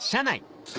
次。